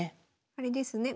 あれですね